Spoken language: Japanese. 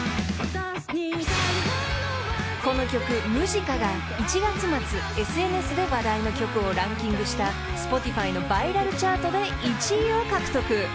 ［この曲『Ｍｕｓｉｃａ』が１月末ＳＮＳで話題の曲をランキングしたＳｐｏｔｉｆｙのバイラルチャートで１位を獲得］